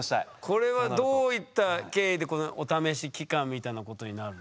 これはどういった経緯でこのお試し期間みたいなことになる？